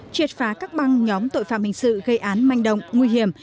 triệt phá các băng nhóm tội phạm hình sự gây án manh động nguy hiểm